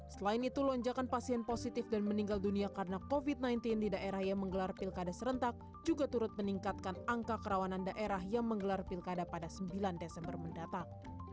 selain itu lonjakan pasien positif dan meninggal dunia karena covid sembilan belas di daerah yang menggelar pilkada serentak juga turut meningkatkan angka kerawanan daerah yang menggelar pilkada pada sembilan desember mendatang